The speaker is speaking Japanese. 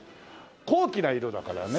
高貴な色だからね。